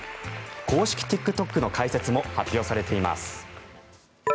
公式ＴｉｋＴｏｋの開設も発表されています。